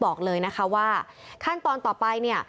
บอกเลยว่าขั้นตอนต่อไป